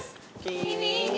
「君に」